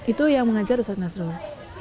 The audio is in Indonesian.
itu yang mengajar ustaz nasrul